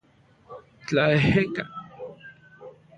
Tlaejeka.